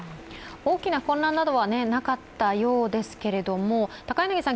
大きな混乱などはなかったようですけれども、高柳さん